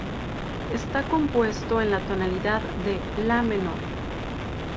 Está compuesto en la tonalidad de La menor.